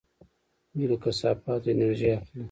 دوی له کثافاتو انرژي اخلي.